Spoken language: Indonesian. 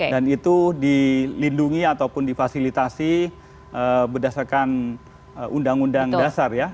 dan itu dilindungi ataupun difasilitasi berdasarkan undang undang dasar ya